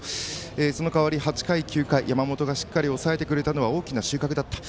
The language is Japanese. その代わり、８回、９回山本がしっかり抑えてくれたのは大きな収穫だった。